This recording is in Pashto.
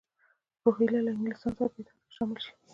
روهیله له انګلیسیانو سره په اتحاد کې شامل شي.